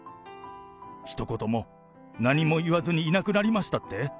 ひと言も、何も言わずにいなくなりましたって？